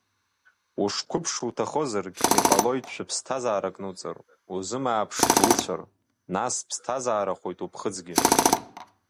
Ушқәыԥшу уҭахозаргь, иҟалоит шәы-ԥсҭазаарак нуҵыр, узымааԥшӡо уцәар, нас ԥсҭазаарахоит уԥхыӡгьы.